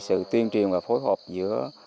sự tiên triển và phối hợp giữa